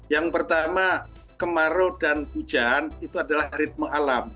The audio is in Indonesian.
yang pertama kemarau dan hujan itu adalah ritme alam